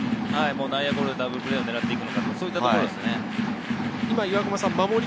内野ゴロでダブルプレーを狙うのか、そういったところです。